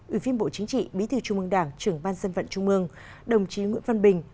ubnd bí thư trung ương đảng trưởng ban dân vận trung ương đồng chí nguyễn văn bình